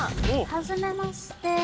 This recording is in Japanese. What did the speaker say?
はじめまして。